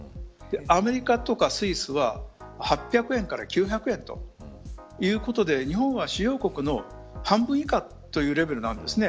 アメリカやスイスは８００円から９００円ということで日本は主要国の半分以下というレベルなんです。